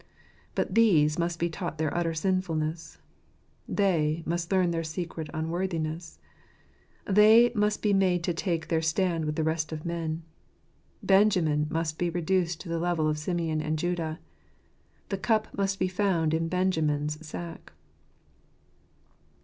But these must be taught their utter sinfulness ; they must learn their secret unworthiness ; they must be made to take their stand with the rest of men. Benjamin must be reduced to the level of Simeon and Judah. The cup must be found in Benjamin's sack.